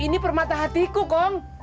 ini permata hatiku kong